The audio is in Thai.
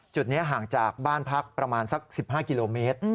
จุดนี้ห่างจากบ้านพักประมาณสัก๑๕กิโลเมตร